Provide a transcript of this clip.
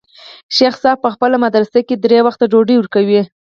شيخ صاحب په خپله مدرسه کښې درې وخته ډوډۍ وركوي.